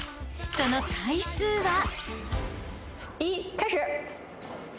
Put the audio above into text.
［その回数は］